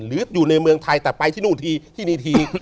หรืออยู่ในเมืองไทยแต่ไปที่นู่นทีที่นี่ที